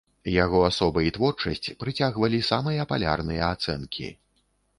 Яго асоба і творчасць прыцягвалі самыя палярныя ацэнкі.